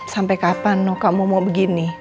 sampai kapan loh kamu mau begini